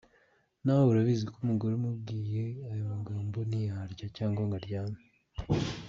Nawe urabizi ko umugore umubwiye ayo magambo ntiyarya cyangwa ngo aryame.